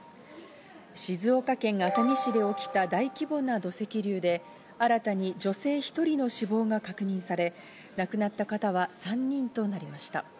静岡県熱海市で起きた大規模な土石流で新たに女性１人の死亡が確認され、亡くなった方は３人となりました。